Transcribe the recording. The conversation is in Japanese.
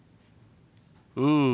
うん。